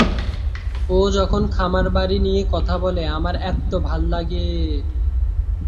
ও যখন খামারবাড়ি নিয়ে কথা বলে আমার এত্ত ভাল্লাগে!